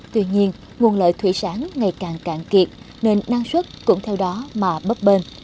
tuy nhiên nguồn lợi thủy sáng ngày càng cạn kiệt nên năng suất cũng theo đó mà bấp bên